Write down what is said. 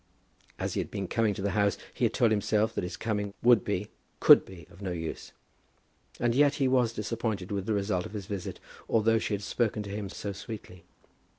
As he had been coming to the house he had told himself that his coming would be, could be of no use. And yet he was disappointed with the result of his visit, although she had spoken to him so sweetly.